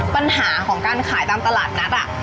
ปัญหาของการขายตามตลาดนัด